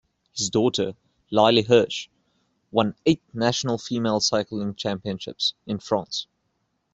His daughter, Lyli Herse, won eight national female cycling championships in France.